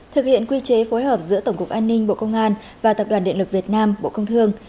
thực hiện quy chế phối hợp giữa tổng cục an ninh bộ công an và tập đoàn điện lực việt nam bộ công thương